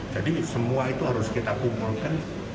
jadi semua itu harus kita kumpulkan